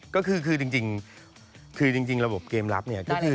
ก็คือไม่คือกี้ระบบเกมรับเนี่ย